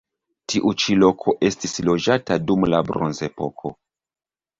Tiu ĉi loko estis loĝata dum la bronzepoko.